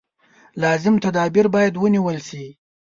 لازم تدابیر باید ونېول شي.